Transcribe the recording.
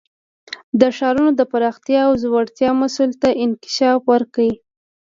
د ښارونو د پراختیا او ځوړتیا مسئلې ته انکشاف ورکړي.